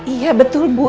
iya betul bu